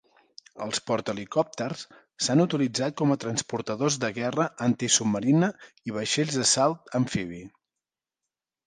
Els portahelicòpters s'han utilitzat com a transportadors de guerra antisubmarina i vaixells d'assalt amfibi.